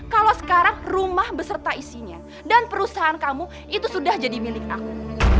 kalau sekarang rumah beserta isinya dan perusahaan kamu itu sudah jadi milik aku